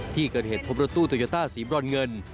ที่เกิดเหตุพบรถตู้โตโยต้าสีบรอนเงิน